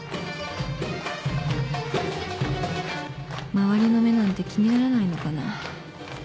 周りの目なんて気にならないのかな